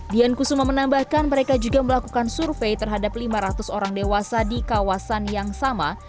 dian kusuma menambahkan mereka juga melakukan survei terhadap lima ratus orang dewasa di kawasan yang sama